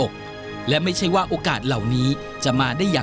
นอกจากนักเตะรุ่นใหม่จะเข้ามาเป็นตัวขับเคลื่อนทีมชาติไทยชุดนี้แล้ว